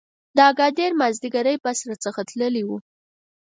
د اګادیر مازیګری بس را څخه تللی و.